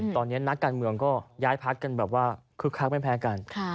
ตอนนี้นักการเมืองก็ย้ายพักกันแบบว่าคึกคักไม่แพ้กัน